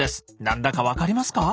何だか分かりますか？